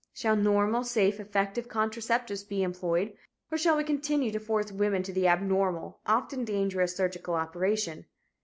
Shall normal, safe, effective contraceptives be employed, or shall we continue to force women to the abnormal, often dangerous surgical operation?